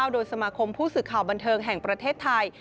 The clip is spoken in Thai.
โดยสมาคมผู้สื่อข่าวบันเทิงแห่งประเทศไทย